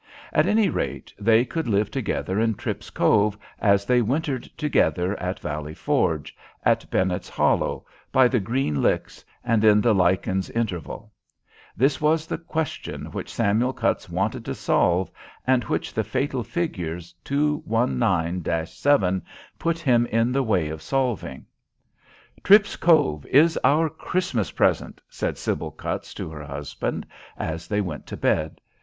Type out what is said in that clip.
At any rate, they could live together in Tripp's Cove, as they wintered together at Valley Forge, at Bennett's Hollow, by the Green Licks, and in the Lykens Intervale. This was the question which Samuel Cutts wanted to solve, and which the fatal figures 219 7 put him in the way of solving. "Tripp's Cove is our Christmas present," said Sybil Cutts to her husband, as they went to bed.